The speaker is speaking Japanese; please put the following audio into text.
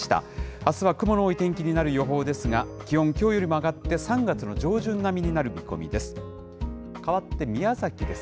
あすは雲の多い天気になる予報ですが、気温、きょうよりも上がって３月の上旬並みになる見込みです。